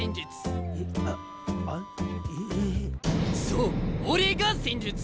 そう俺が戦術！